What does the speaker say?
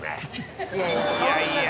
いやいや